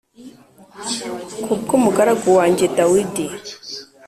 Ku bw umugaragu wanjye dawidi